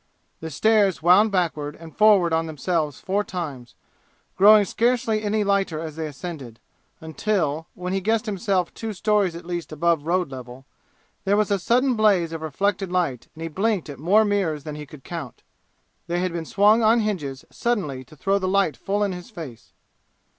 The stairs wound backward and forward on themselves four times, growing scarcely any lighter as they ascended, until, when he guessed himself two stories at least above road level, there was a sudden blaze of reflected light and he blinked at more mirrors than he could count. They had been swung on hinges suddenly to throw the light full in his face.